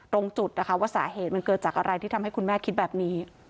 ตรงจุดนะคะว่าสาเหตุมันเกิดจากอะไรที่ทำให้คุณแม่คิดแบบนี้